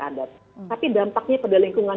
adat tapi dampaknya pada lingkungan